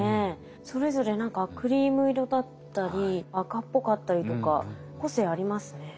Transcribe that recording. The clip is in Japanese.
それぞれ何かクリーム色だったり赤っぽかったりとか個性ありますね。